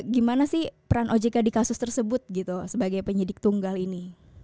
gimana sih peran ojk di kasus tersebut gitu sebagai penyidik tunggal ini